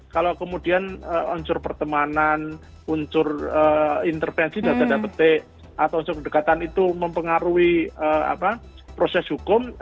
kalau kemudian unsur pertemanan unsur intervensi data petik atau unsur kedekatan itu mempengaruhi proses hukum